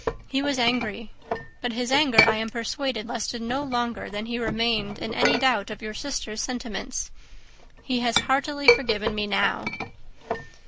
He was angry. But his anger, I am persuaded, lasted no longer than he remained in any doubt of your sister's sentiments. He has heartily forgiven me now."